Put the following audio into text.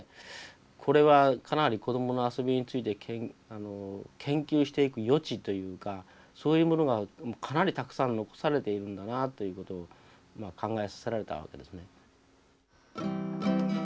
これはかなり子供の遊びについて研究していく余地というかそういうものがかなりたくさん残されているんだなということを考えさせられたわけですね。